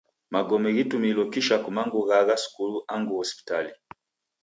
Magome ghitumilo kisha kumangu ghaagha skulu angu hospitali.